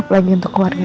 apalagi untuk keluarganya